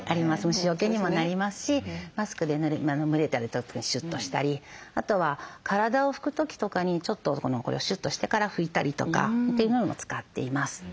虫よけにもなりますしマスクで蒸れた時シュッとしたりあとは体を拭く時とかにちょっとこれをシュッとしてから拭いたりとかっていうのにも使っています。